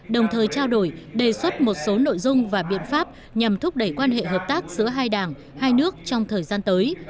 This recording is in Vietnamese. đồng thời trao đổi đề xuất một số nội dung và biện pháp nhằm thúc đẩy quan hệ hợp tác giữa hai đảng hai nước trong thời gian tới